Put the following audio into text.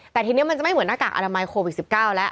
แต่ทีนี้มันจะไม่เหมือนหน้ากากอนามัยโควิด๑๙แล้ว